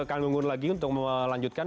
kang gunggun lagi untuk melanjutkan